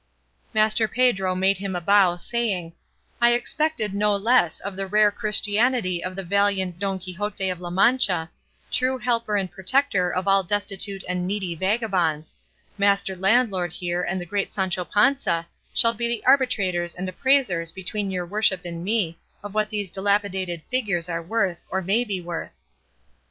Master Pedro made him a bow, saying, "I expected no less of the rare Christianity of the valiant Don Quixote of La Mancha, true helper and protector of all destitute and needy vagabonds; master landlord here and the great Sancho Panza shall be the arbitrators and appraisers between your worship and me of what these dilapidated figures are worth or may be worth."